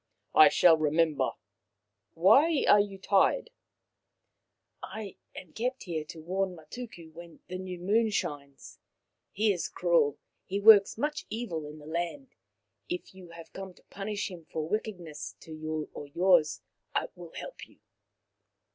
" I shall remember. Why are you tied ?"" I am kept here to warn Matuku when the new moon shines. He is cruel ; he works much evil in the land. If you have come to punish him for wickedness to you or yours, I will help you."